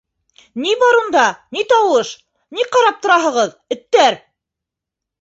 — Ни бар унда, ни тауыш, ни ҡарап тораһығыҙ, эттәр?